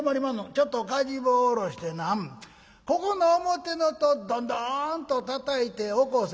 「ちょっとかじ棒下ろしてなここの表の戸ドンドンッとたたいて起こせ」。